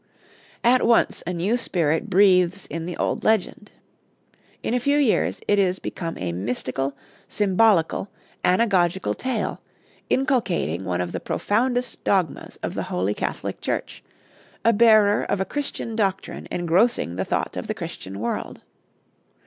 At once a new spirit breathes in the old legend. In a few years it is become a mystical, symbolical, anagogical tale, inculcating one of the profoundest dogmas of the Holy Catholic Church, a bearer of a Christian doctrine engrossing the thought of the Christian world.